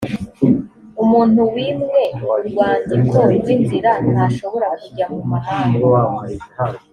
umuntu wimwe urwandiko rw’inzira ntashobora kujya mu mahanga